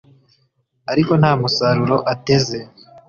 ariko nta musaruro ateze